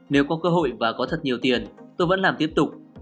nếu có cơ hội và có thật nhiều tiền tôi vẫn làm tiếp tục